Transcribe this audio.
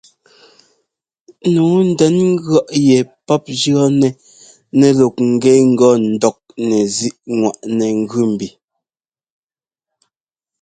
Nǔu ndɛn ŋgʉ̈ɔ́ yɛ pɔ́p jʉɔ́nɛ nɛlɔk ŋ́gɛ ŋgɔ ńdɔk nɛzíꞌŋwaꞌnɛ gʉ mbi.